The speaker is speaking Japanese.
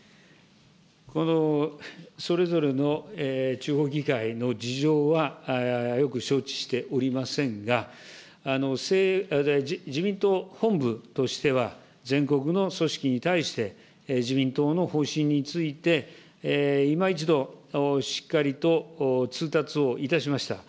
このそれぞれの地方議会の事情はよく承知しておりませんが、自民党本部としては、全国の組織に対して、自民党の方針について今一度、しっかりと通達をいたしました。